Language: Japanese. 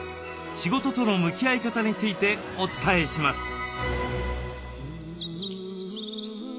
仕事との向き合い方についてお伝えします。